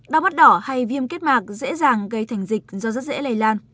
đau mắt đỏ hay viêm kết mạc dễ dàng gây thành dịch do rất dễ lây lan